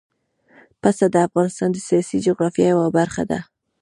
پسه د افغانستان د سیاسي جغرافیه یوه برخه ده.